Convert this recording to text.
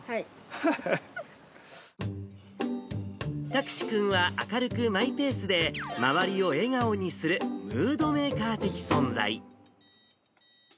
拓志君は明るくマイペースで、周りを笑顔にするムードメーカー的存在。